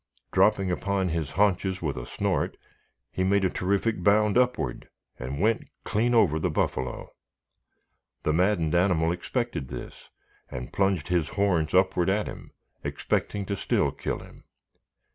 Dropping upon his haunches with a snort, he made a terrific bound upward and went clean over the buffalo. The maddened animal expected this, and plunged his horns upward at him, expecting to still kill him.